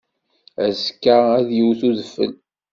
Azekka ad yewt udfel.